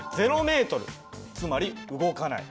つまり動かない。